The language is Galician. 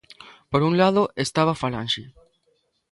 Por un lado, estaba a falanxe.